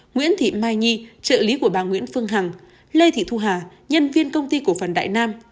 nguyễn thị mai nhi trợ lý của bà nguyễn phương hằng lê thị thu hà nhân viên công ty cổ phần đại nam